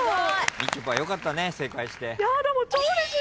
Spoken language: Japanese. みちょぱよかったね正解して。